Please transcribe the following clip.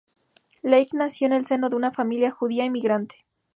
Leigh nació en el seno de una familia judía inmigrante.